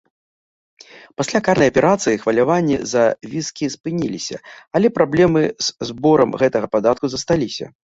Пасля карнай аперацыі хваляванні з-за віскі спыніліся, але праблемы з зборам гэтага падатку засталіся.